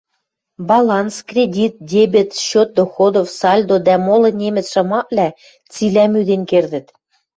Баланс, кредит, дебет, счет доходов, сальдо дӓ молы «немӹц шамаквлӓ» цилӓ мӱден кердӹт.